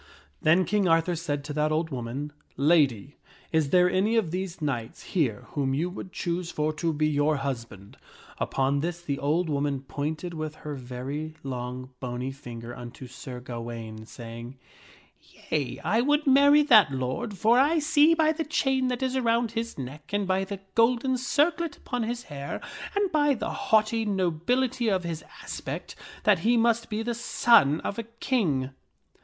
Then King Arthur said to that old woman, " Lady, is there any of these knights here whom you would choose for to be your husband ?" Upon this, the old woman pointed with her very long, bony finger Theoldwoman unto Sir Gawaine, saying, " Yea, I would marry that lord, for cho s ^ waine I see by the chain that is around his neck and by the golden circlet upon his hair and by the haughty nobility of his aspect, that he must be the son of a king."